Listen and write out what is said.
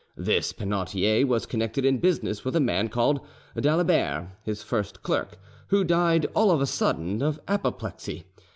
This Penautier was connected in business with a man called d'Alibert, his first clerk, who died all of a sudden of apoplexy.